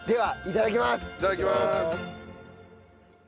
いただきます。